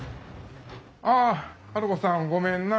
ああ治子さんごめんな。